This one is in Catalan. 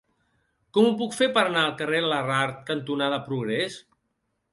Com ho puc fer per anar al carrer Larrard cantonada Progrés?